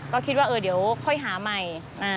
ก็คิดว่าเดี๋ยวค่อยหาใหม่